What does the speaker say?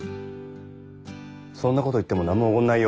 そんなこと言っても何もおごんないよ。